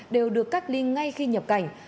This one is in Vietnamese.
đều được cách ly ngay khi nhập cảnh